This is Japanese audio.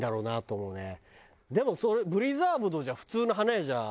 でもプリザーブドじゃ普通の花屋じゃ。